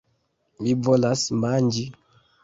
Mi volas manĝi...